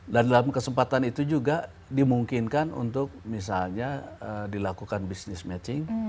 dan dalam kesempatan itu juga dimungkinkan untuk misalnya dilakukan business matching